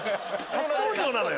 初登場なのよ。